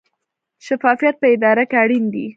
شفافیت په اداره کې اړین دی